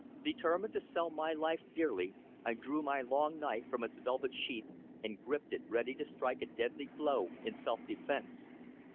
Determined to sell my life dearly, I drew my long knife from its velvet sheath, and gripped it, ready to strike a deadly blow in self defence.